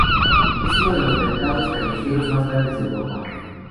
Es uno de los mercados callejeros más grandes de Europa.